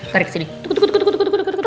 tarik sini tukuk tukuk tukuk